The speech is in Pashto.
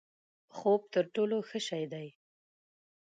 خوب تر ټولو ښه شی دی؛